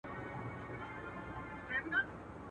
په یوه آواز راووتل له ښاره.